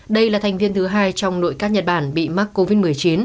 đây là thành viên thứ hai trong nội các nhật bản bị mắc covid một mươi chín